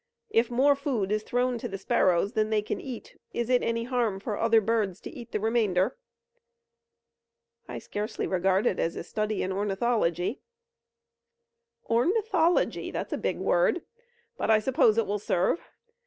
If more food is thrown to the sparrows than they can eat, is it any harm for other birds to eat the remainder?" "I scarcely regard it as a study in ornithology." "Ornithology? That's a big word, but I suppose it will serve.